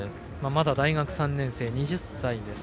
まだ大学３年生、２０歳。